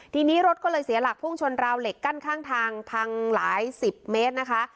ทีนี้รถก็เลยเสียหลักพุ่งชนราวเหล็กกั้นข้างทางพังหลายสิบเมตรนะคะ